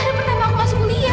ini tadi pertama aku masuk dunia